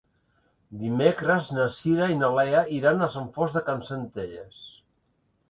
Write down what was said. Dimecres na Cira i na Lea iran a Sant Fost de Campsentelles.